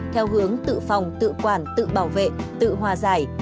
theo hướng tự phòng tự quản tự bảo vệ tự hòa giải